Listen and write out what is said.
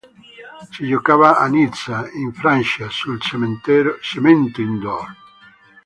Si giocava a Nizza in Francia sul cemento indoor.